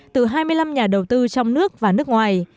từ hai mươi năm nhà đầu tư trong nước và nước ngoài